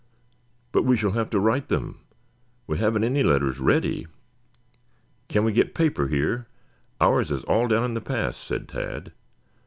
"But we shall have to write them. We haven't any letters ready. Can we get paper here? Ours is all down in the pass," said Tad.